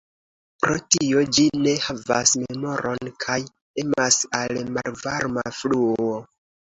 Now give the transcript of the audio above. Pro tio ĝi ne havas memoron, kaj emas al malvarma fluo.